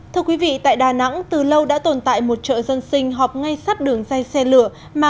thưa quý vị tại đà nẵng từ lâu đã tồn tại một chợ dân sinh họp ngay sát đường dây xe lửa mà